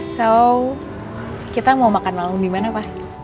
so kita mau makan malam dimana pak